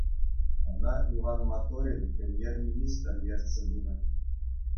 Ӑна Ивӑн Моторин премьер-министр ертсе пынӑ.